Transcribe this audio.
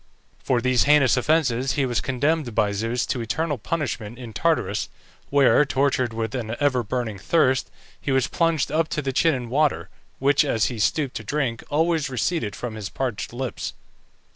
For these heinous offences he was condemned by Zeus to eternal punishment in Tartarus, where, tortured with an ever burning thirst, he was plunged up to the chin in water, which, as he stooped to drink, always receded from his parched lips.